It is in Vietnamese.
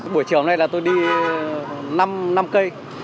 buổi chiều hôm nay là tôi đi năm cây